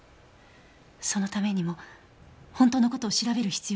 そのためにも本当の事を調べる必要があるの。